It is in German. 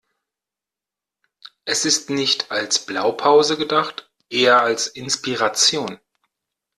Es ist nicht als Blaupause gedacht, eher als Inspiration.